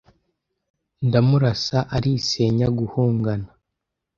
Ndamurasa arisenya guhungana